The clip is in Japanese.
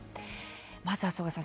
まずは、曽我さん